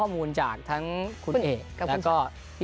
ช่วยเทพธรรมไทยรัช